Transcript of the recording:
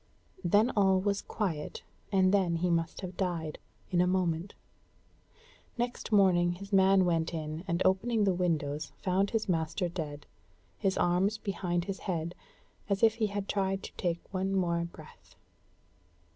Then all was quiet, and then he must have died in a moment. Next morning his man went in, and opening the windows found his master dead, his arms behind his head, as if he had tried to take one more breath.